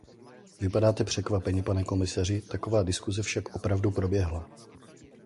Vypadáte překvapeně, pane komisaři, taková diskuse však opravdu proběhla.